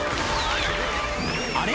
あれ？